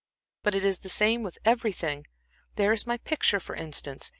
But it is the same with everything. There is my picture, for instance.